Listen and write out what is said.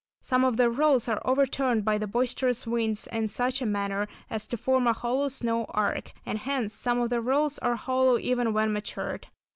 Some of the rolls are overturned by the boisterous winds in such a manner as to form a hollow snow arch, and hence some of the rolls are hollow even when matured.